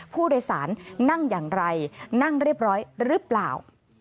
ผู้โดยสารนั่งอย่างไรนั่งเรียบร้อยหรือเปล่า